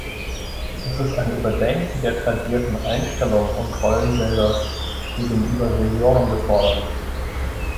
Es ist ein ?berdenken der tradierten Einstellungen und Rollenbilder gegen?ber Senioren gefordert.